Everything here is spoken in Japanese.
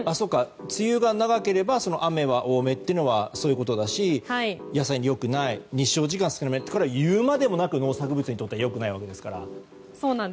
梅雨が長ければ雨が多めというのはそういうことだし野菜に良くない日照時間が少なめで言うまでもなく農作物にとっては良くないわけですから。